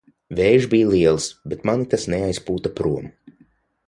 Vējš bija liels, bet mani tas neaizpūta prom.